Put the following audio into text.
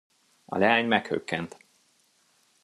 A leány meghökkent.